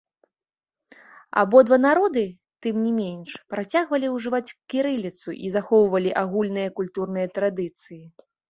Абодва народы, тым не менш, працягвалі ўжываць кірыліцу і захоўвалі агульныя культурныя традыцыі.